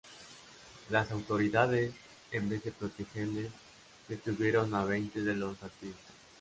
Las autoridades, en vez de protegerles, detuvieron a veinte de los activistas.